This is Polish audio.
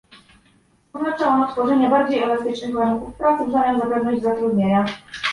Oznacza ono tworzenie bardziej elastycznych warunków pracy w zamian za pewność zatrudnienia